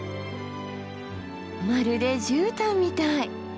まるでじゅうたんみたい。